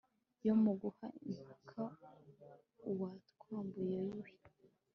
yo mu guha impaka uwatwambuye yuhi